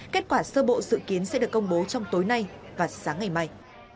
kết quả sơ bộ dự kiến sẽ được công bố trong tối nay và sáng ngày mai